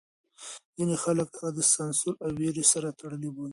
ځینې خلک هغه د سانسور او وېرې سره تړلی بولي.